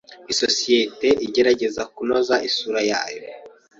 Isosiyete igerageza kunoza isura yayo.